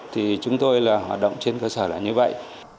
thì chúng tôi là hoạt động trên cơ sở là như vậy